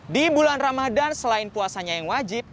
di bulan ramadan selain puasanya yang wajib